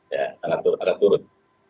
ya akan turun